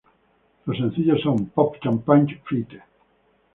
Los sencillos son ""Pop Champagne feat.